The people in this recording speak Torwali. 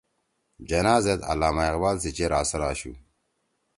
جناح زید علّامہ اقبال سی چیر اثر آشُو۔